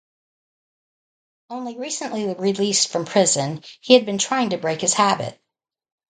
Only recently released from prison, he had been trying to break his habit.